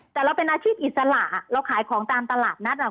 แต่เราเป็นอาชีพอิสระเราขายของตามตลาดนัดอ่ะ